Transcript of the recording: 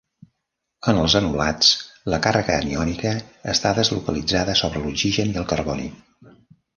En els enolats, la càrrega aniònica està deslocalitzada sobre l'oxigen i el carboni.